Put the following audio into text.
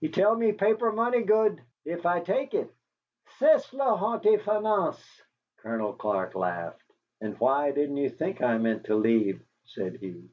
"He tell me paper money good if I take it. C'est la haute finance!" Colonel Clark laughed. "And why didn't you think I meant to leave?" said he.